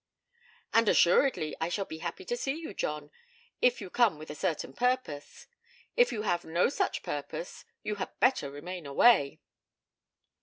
'And assuredly I shall be happy to see you, John if you come with a certain purpose. If you have no such purpose, you had better remain away.'